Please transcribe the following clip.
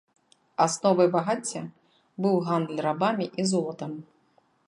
Асновай багацця быў гандаль рабамі і золатам.